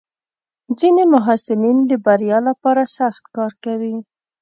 ځینې محصلین د بریا لپاره سخت کار کوي.